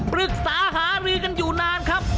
ปรึกษาหารือกันอยู่นานครับ